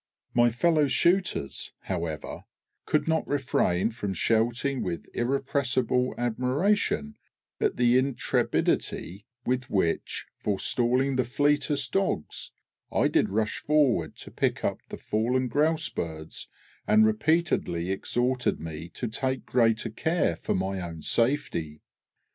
My fellow shooters, however, could not refrain from shouting with irrepressible admiration at the intrepidity with which, forestalling the fleetest dogs, I did rush forward to pick up the fallen grouse birds, and repeatedly exhorted me to take greater care for my own safety.